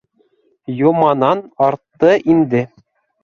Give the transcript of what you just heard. — Йоманан артты инде.